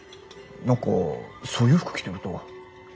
何かそういう服着てると。